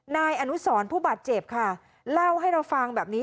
นายอนุสรผู้บาดเจ็บค่ะเล่าให้เราฟังแบบนี้